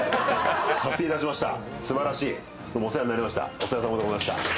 お世話さまでございました。